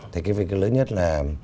thì cái việc lớn nhất là